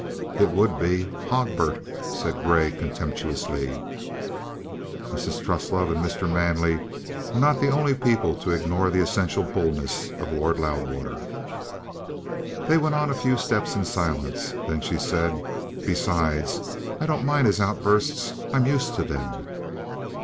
"It would be. Hogbert!" said Grey contemptuously. Mrs. Truslove and Mr. Manley were not the only people to ignore the essential bullness of Lord Loudwater. They went on a few steps in silence; then she said: "Besides, I don't mind his outbursts. I'm used to them."